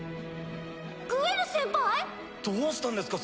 グエル先輩⁉どうしたんですか？